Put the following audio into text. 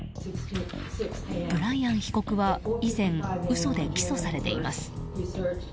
ブライアン被告は以前嘘で起訴されています。